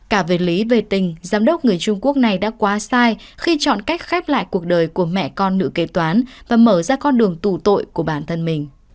cả về lý về tình giám đốc người trung quốc này đã quá sai khi chọn cách khép lại cuộc đời của mẹ con nữ kế toán và mở ra con đường tù tội của bản thân mình